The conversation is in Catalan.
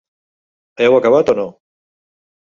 Heu acabat o no?